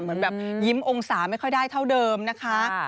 เหมือนแบบยิ้มองศาไม่ค่อยได้เท่าเดิมนะคะ